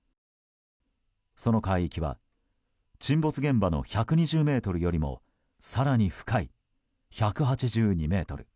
その海域は沈没現場の１２０ｍよりも更に深い１８２ｍ。